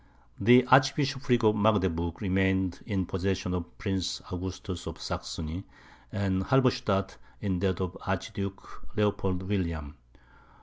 The archbishopric of Magdeburg remained in possession of Prince Augustus of Saxony, and Halberstadt in that of the Archduke Leopold William.